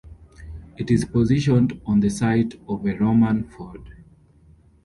It is positioned on the site of a Roman Ford.